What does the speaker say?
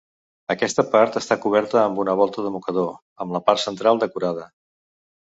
Aquesta part està coberta amb una volta de mocador, amb la part central decorada.